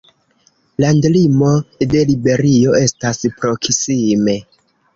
Landlimo de Liberio estas proksime.